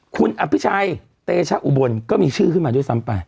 คุณอภิชัยเตชะอุบลก็มีชื่อขึ้นมาด้วยซ้ำไป